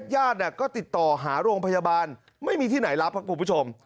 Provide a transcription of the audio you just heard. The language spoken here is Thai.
ญาติก็ติดต่อหาโรงพยาบาลไม่มีที่ไหนรับครับคุณผู้ชม